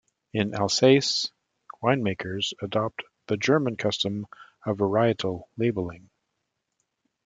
In Alsace, winemakers adopt the German custom of varietal labeling.